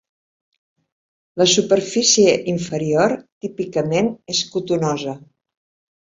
La superfície inferior típicament és cotonosa.